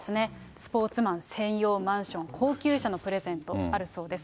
スポーツマン専用マンション、高級車のプレゼントあるそうです。